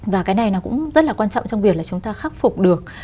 và cái này nó cũng rất là quan trọng trong việc là chúng ta khắc phục được